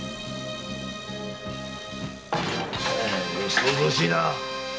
騒々しいな。